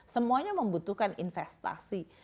semuanya membutuhkan investasi